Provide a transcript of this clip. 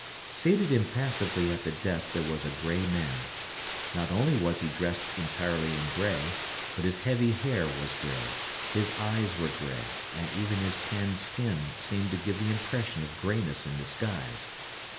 Seated impassively at the desk there was a gray man. Not only was he dressed entirely in gray, but his heavy hair was gray, his eyes were gray, and even his tanned skin seemed to give the impression of grayness in disguise.